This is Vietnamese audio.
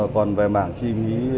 còn về mảng chi phí